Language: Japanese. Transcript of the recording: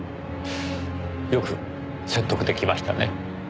よく説得出来ましたね。